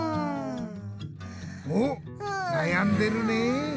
おっなやんでるね！